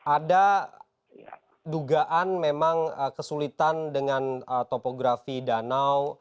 ada dugaan memang kesulitan dengan topografi danau